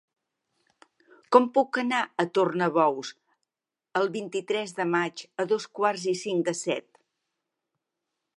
Com puc anar a Tornabous el vint-i-tres de maig a dos quarts i cinc de set?